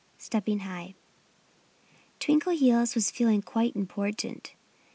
XV STEPPING HIGH Twinkleheels was feeling quite important.